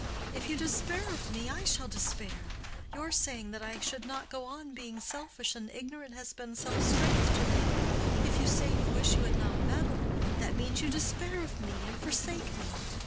"If you despair of me, I shall despair. Your saying that I should not go on being selfish and ignorant has been some strength to me. If you say you wish you had not meddled—that means you despair of me and forsake me.